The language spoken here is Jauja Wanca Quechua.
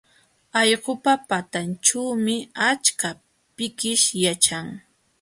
Allqupa patanćhuumi achka pikish yaćhan.